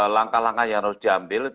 langkah langkah yang harus diambil